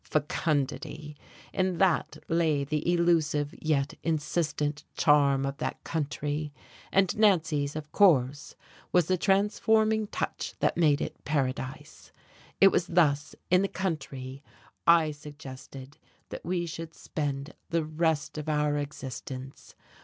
Fecundity! In that lay the elusive yet insistent charm of that country; and Nancy's, of course, was the transforming touch that made it paradise. It was thus, in the country, I suggested that we should spend the rest of our existence.